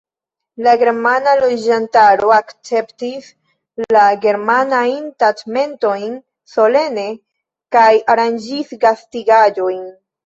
La germana loĝantaro akceptis la germanajn taĉmentojn solene kaj aranĝis gastigaĵon.